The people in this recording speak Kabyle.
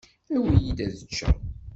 Awit-iyi-d ad ččeɣ.